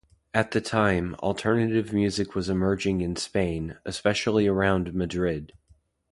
At the time, alternative music was emerging in Spain, especially around Madrid.